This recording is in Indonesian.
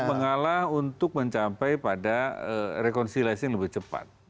mengalah untuk mencapai pada rekonsiliasi yang lebih cepat